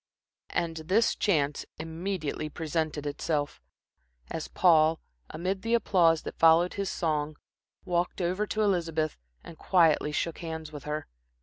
And this chance immediately presented itself, as Paul, amid the applause that followed his song, walked over to Elizabeth and quietly shook hands with her.